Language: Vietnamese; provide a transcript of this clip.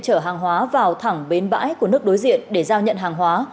chở hàng hóa vào thẳng bến bãi của nước đối diện để giao nhận hàng hóa